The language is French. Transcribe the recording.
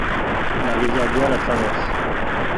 La rivière Guà la traverse.